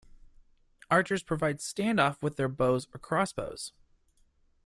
Archers provide standoff with their bows or crossbows.